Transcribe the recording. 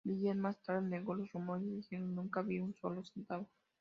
Givens, más tarde, negó los rumores diciendo "Nunca vi un solo centavo.